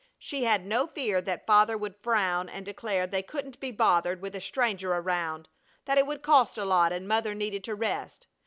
She had no fear that Father would frown and declare they couldn't be bothered with a stranger around, that it would cost a lot and Mother needed to rest.